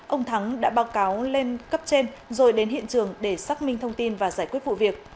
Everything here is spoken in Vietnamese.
ông thắng đã báo cáo lên cấp trên rồi đến hiện trường để xác minh thông tin và giải quyết vụ việc